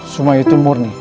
semua itu murni